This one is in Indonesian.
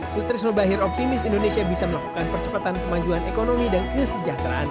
sutrisno bahir optimis indonesia bisa melakukan percepatan kemajuan ekonomi dan kesejahteraan